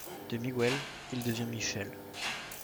De Miguel, il devient Michel.